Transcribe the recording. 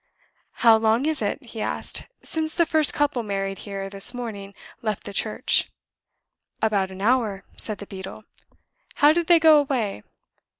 "How long is it," he asked, "since the first couple married here this morning left the church?" "About an hour," said the beadle. "How did they go away?"